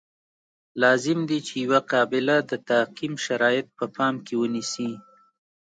لازم دي چې یوه قابله د تعقیم شرایط په پام کې ونیسي.